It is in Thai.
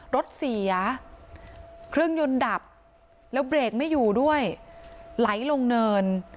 รถเสียเครื่องยนต์ดับแล้วเบรกไม่อยู่ด้วยไหลลงเนิน